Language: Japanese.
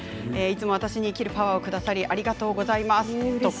いつも私に生きるパワーをくださりありがとうございます。